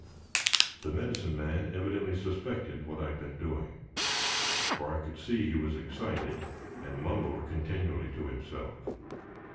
The Medicine Man evidently suspected what I had been doing; for I could see he was excited, and mumbled continually to himself.